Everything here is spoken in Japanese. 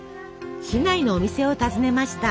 市内のお店を訪ねました。